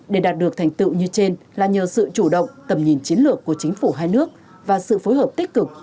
để đạt được thành tựu như trên là nhờ sự chủ động tầm nhìn chiến lược của chính phủ hai nước và sự phối hợp tích cực